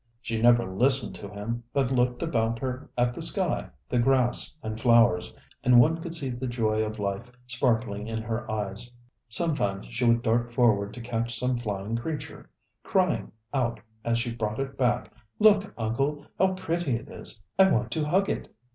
She never listened to him, but looked about her at the sky, the grass and flowers, and one could see the joy of life sparkling in her eyes. Sometimes she would dart forward to catch some flying creature, crying out as she brought it back: ŌĆ£Look, uncle, how pretty it is! I want to hug it!